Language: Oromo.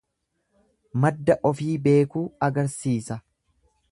Madda ofi beekuu agarsiisa.